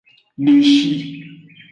Deshi.